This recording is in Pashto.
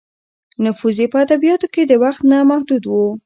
نفوذ یې په ادبیاتو کې د وخت نه محدود و.